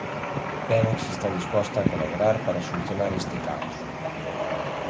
Pemex está disposta a colaborar para solucionar este caos.